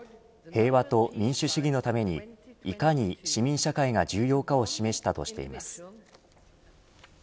平和と民主主義のためにいかに市民社会が重要かを示したとしています。